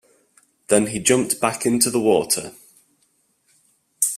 Then he jumped back into the water.